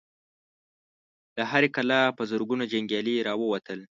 له هرې کلا په زرګونو جنګيالي را ووتل.